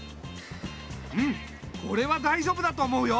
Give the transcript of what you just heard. うんこれはだいじょうぶだと思うよ。